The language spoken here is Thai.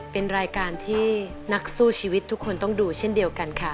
เป็นรายการที่นักสู้ชีวิตทุกคนต้องดูเช่นเดียวกันค่ะ